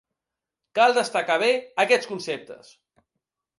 Cal destacar bé aquests conceptes.